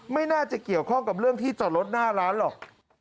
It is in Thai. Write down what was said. ไม่น่าจะเกี่ยวข้องกับเรื่องที่จอดรถหน้าร้านหรอก